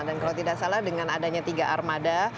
dan kalau tidak salah dengan adanya tiga armada